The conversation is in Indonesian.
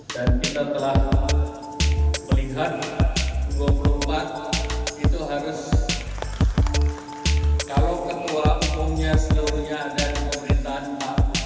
dan kita telah melihat dua puluh empat itu harus kalau ketua umumnya seluruhnya dan pemerintahan